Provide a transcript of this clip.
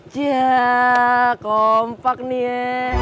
jaaa kompak nye